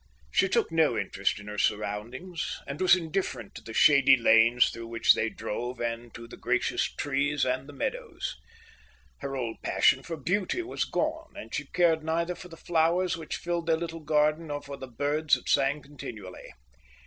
She took no interest in her surroundings, and was indifferent to the shady lanes through which they drove and to the gracious trees and the meadows. Her old passion for beauty was gone, and she cared neither for the flowers which filled their little garden nor for the birds that sang continually.